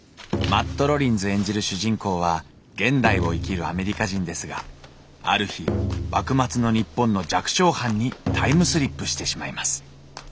マット・ロリンズ演じる主人公は現代を生きるアメリカ人ですがある日幕末の日本の弱小藩にタイムスリップしてしまいます。